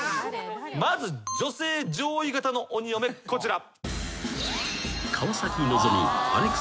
まず女性上位型の鬼嫁こちら。